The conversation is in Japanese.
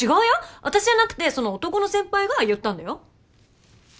あたしじゃなくてその男の先輩が言ったんだよ。